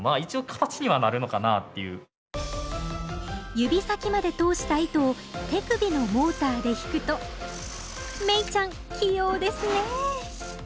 指先まで通した糸を手首のモーターで引くと芽衣ちゃん器用ですね